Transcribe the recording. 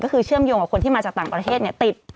ก็คือเชื่อมโยงกับคนที่มาจากต่างประเทศติด